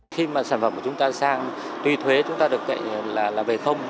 khi mà sản phẩm của chúng ta sang tuy thuế chúng ta được cậy là về không